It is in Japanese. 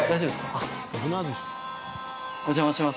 あっお邪魔します